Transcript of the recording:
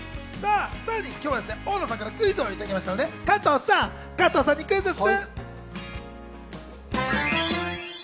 さらに今日は大野さんからクイズをいただきましたので、加藤さんにクイズッス！